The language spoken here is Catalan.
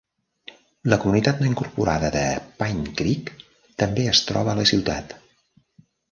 La comunitat no incorporada de Pine Creek també es troba a la ciutat.